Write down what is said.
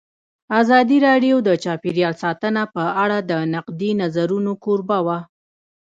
ازادي راډیو د چاپیریال ساتنه په اړه د نقدي نظرونو کوربه وه.